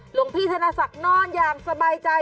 หลวงพี่ธนศักดิ์นอนอย่างสบายใจ